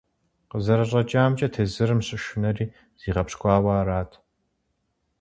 КъызэрыщӀэкӀамкӀэ, тезырым щышынэри зигъэпщкӀуауэ арат.